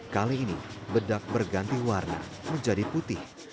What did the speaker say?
kali ini bedak berganti warna menjadi putih